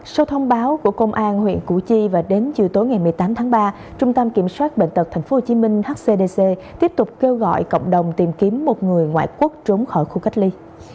sau thông báo của công an huyện củ chi và đến chiều tối ngày một mươi tám tháng ba trung tâm kiểm soát bệnh tật tp hcm hcdc tiếp tục kêu gọi cộng đồng tìm kiếm một người ngoại quốc trốn khỏi khu cách ly